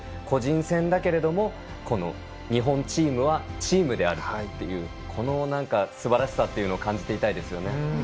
個人戦だけれども日本チームはチームであるというこのすばらしさというのを感じていたいですね。